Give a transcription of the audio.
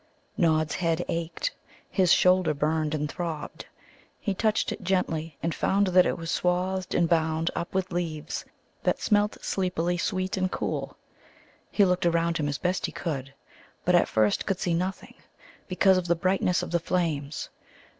Nod's head ached; his shoulder burned and throbbed. He touched it gently, and found that it was swathed and bound up with leaves that smelt sleepily sweet and cool. He looked around him as best he could, but at first could see nothing, because of the brightness of the flames.